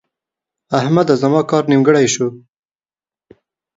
احمده! زما کار نیمګړی شو.